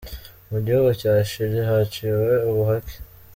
Mu gihugu cya Chili, haciwe ubuhake.